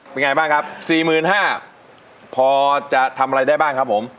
เป็นไงบ้างครับ๔๕๐๐บาทพอจะทำอะไรได้บ้างครับผม